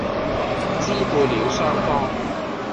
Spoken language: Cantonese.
支配了雙方